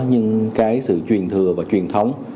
nhưng cái sự truyền thừa và truyền thống